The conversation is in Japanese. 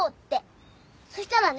そしたらね